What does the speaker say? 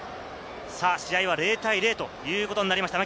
試合は０対０ということになりました。